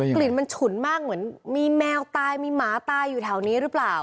กลิ่นมันฉุนมากเหมือนมีแมวตายมีหมาตายอยู่แถวนี้หรือเปล่า